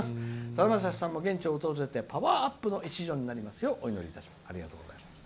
さだまさしさんも現地に訪れてパワーアップの一助になりますよう」。